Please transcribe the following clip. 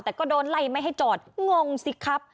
แต่ก็โดนไล่ไม่ให้จอดงงสิครับ